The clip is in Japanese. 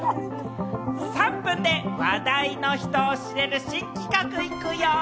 ３分で話題の人をを知れる新企画、行くよ。